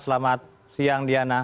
selamat siang diana